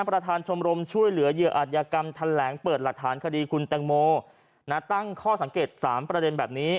ประธานชมรมช่วยเหลือเหยื่ออัธยกรรมแถลงเปิดหลักฐานคดีคุณแตงโมตั้งข้อสังเกต๓ประเด็นแบบนี้